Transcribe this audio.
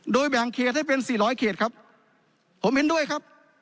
โดยแบ่งเขตให้เป็นสี่ร้อยเขตครับผมเห็นด้วยครับ